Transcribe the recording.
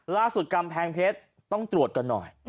กำแพงเพชรต้องตรวจกันหน่อย